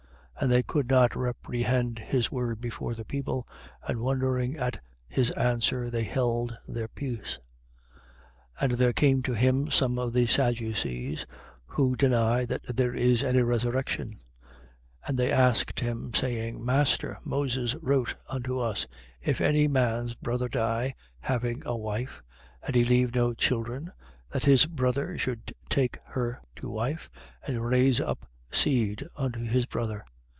20:26. And they could not reprehend his word before the people: and wondering at his answer, they held their peace. 20:27. And there came to him some of the Sadducees, who deny that there is any resurrection: and they asked him, 20:28. Saying: Master, Moses wrote unto us: If any man's brother die, having a wife, and he leave no children, that his brother should take her to wife and raise up seed unto his brother.